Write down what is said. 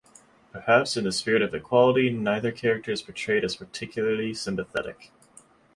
Perhaps in the spirit of equality, neither character is portrayed as particularly sympathetic.